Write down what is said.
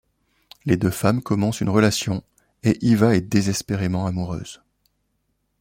Les deux femmes commencent une relation et Iva est désespérément amoureuse.